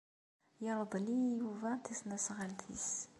Yerḍel-iyi Yuba tasnasɣalt-nnes.